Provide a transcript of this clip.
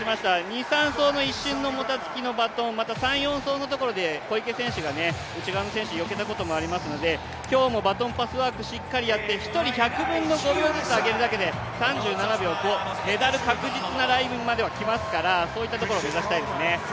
２・３走の一瞬のもたつきのバトンまた３・４走のところで小池選手が内側の選手よけたところがありますので今日もバトンパスワークしっかりやって、１人１００分の５秒ずつ上げるだけで３７秒５、メダル確実なラインまでは来ますから、そういったところを目指したいですね。